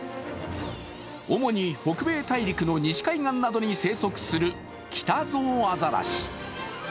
主に北米大陸の西海岸などに生息するキタゾウアザラシ。